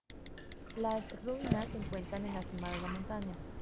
Las ruinas se encuentran en la cima de una montaña.